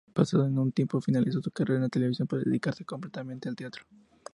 Pasado un tiempo finalizó su carrera en la televisión para dedicarse completamente al teatro.